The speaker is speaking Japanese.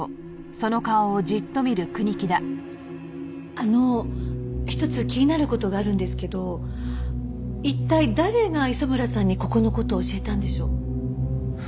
あの一つ気になる事があるんですけど一体誰が磯村さんにここの事を教えたんでしょう？